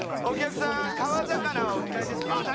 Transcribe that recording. お客さん川魚はお嫌いですか？